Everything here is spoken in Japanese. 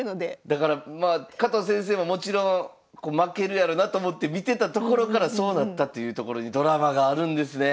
だからまあ加藤先生ももちろん負けるやろなと思って見てたところからそうなったっていうところにドラマがあるんですね。